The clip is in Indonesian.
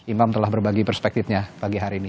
imam telah berbagi perspektifnya pagi hari ini